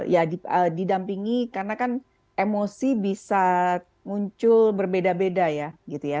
ya didampingi karena kan emosi bisa muncul berbeda beda ya gitu ya